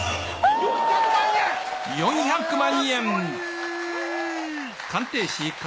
４００万円！